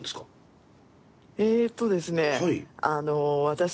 えっとですね私